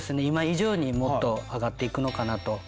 今以上にもっと上がっていくのかなと。